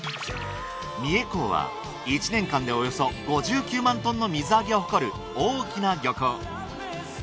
三重港は１年間でおよそ５９万トンの水揚げを誇る大きな漁港。